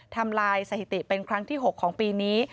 ทำลายสถิติเป็นครั้งที่๖ของปีนี้